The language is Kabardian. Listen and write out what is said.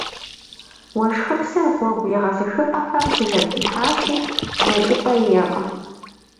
Уэшхыпсыр гъуэгу егъэзыхыпӏэхэм щызэтрихьащи, блэкӏыпӏэ иӏэкъым.